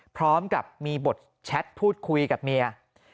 พร้อมกับมีบทแชทพูดคุยกับเมีย